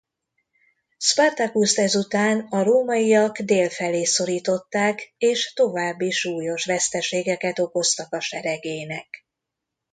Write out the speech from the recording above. Spartacust ezután a rómaiak dél felé szorították és további súlyos veszteségeket okoztak a seregének.